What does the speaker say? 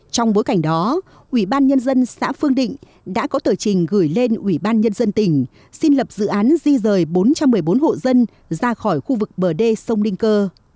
trong bối cảnh đó ủy ban nhân dân xã phương định đã có tờ trình gửi lên ủy ban nhân dân tỉnh xin lập dự án di rời bốn trăm một mươi bốn hộ dân ra khỏi khu vực bờ đê sông ninh cơ